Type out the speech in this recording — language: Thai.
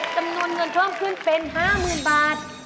จำนวนเงินเพิ่มขึ้นเป็น๕๐๐๐บาท